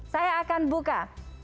saya akan buka